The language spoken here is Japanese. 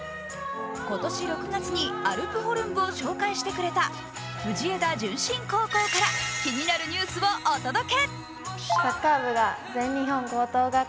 今年６月にアルプホルン部を紹介してくれた藤枝順心高校から気になるニュースをお届け。